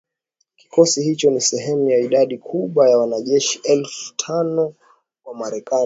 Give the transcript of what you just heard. Kikosi hicho ni sehemu ya idadi kubwa ya wanajeshi elfu tano wa Marekani